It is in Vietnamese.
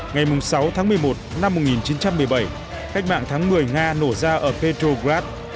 ngày sáu tháng một mươi một năm một nghìn chín trăm một mươi bảy cách mạng tháng một mươi nga nổ ra ở petrograd